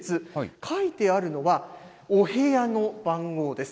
書いてあるのは、お部屋の番号です。